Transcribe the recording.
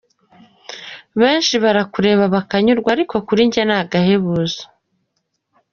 Benshi barakureba bakanyurwa ariko kuri njye ni agahebuzo.